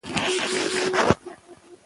په ادب کې خندا ځانګړی معنا لري.